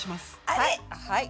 はい。